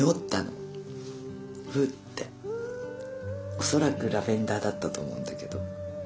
おそらくラベンダーだったと思うんだけど。